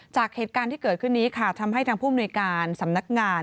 จากเหตุการณ์ที่เกิดขึ้นนี้ค่ะทำให้ทางผู้มนุยการสำนักงาน